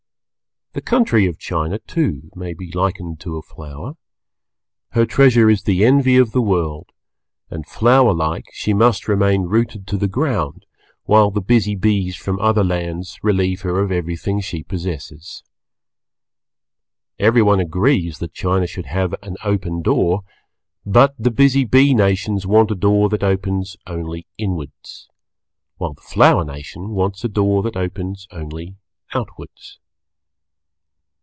The country of China, too, may be likened to a Flower; her treasure is the envy of the world, and flower like she must remain rooted to the ground while the Busy Bees from other lands relieve her of everything she possesses. Everyone agrees that China should have an Open Door, but the Busy Bee Nations want a Door that opens only inwards, while the Flower Nation wants a door that opens only outwards.